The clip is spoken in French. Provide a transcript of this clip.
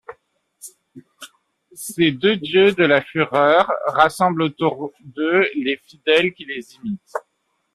Ces deux dieux de la fureur rassemblent autour d'eux des fidèles qui les imitent.